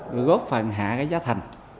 rồi hạ cái giá thành